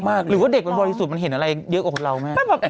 หรือว่าเด็กกันตอนสูงเห็นอะไรเยอะเกินเรามาก